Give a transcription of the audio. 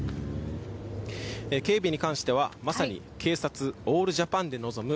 警備に関してはまさに警察オールジャパンで臨む